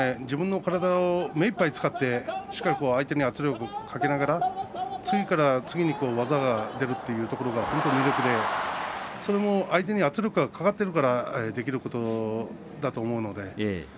自分の体を目いっぱい使ってしかも相手に圧力をかけながら次から次に技が出るというところが本当に魅力でそれも相手に圧力がかかっているからできることだと思うので。